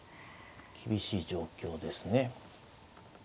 厳しい状況ですね。